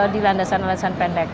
di landasan landasan pendek